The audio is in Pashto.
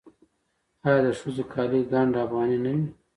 آیا د ښځو کالي ګنډ افغاني نه وي؟